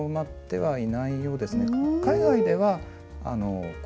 はい。